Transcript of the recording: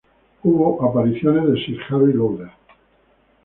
Hubo apariciones de Sir Harry Lauder.